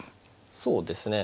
そうですね。